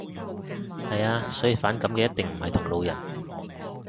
係呀。所以反感嘅一定唔係同路人